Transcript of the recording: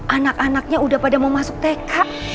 anak anaknya udah pada mau masuk tk